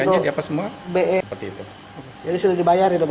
jadi sudah dibayar ya